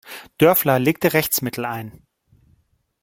Dörfler legte Rechtsmittel ein.